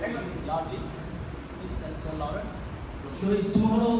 คุณคิดว่าเกินเท่าไหร่หรือไม่เกินเท่าไหร่